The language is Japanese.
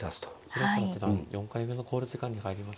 広瀬八段４回目の考慮時間に入りました。